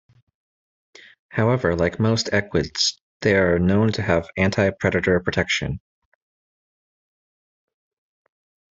However, like most equids, they are known to have anti-predator protection.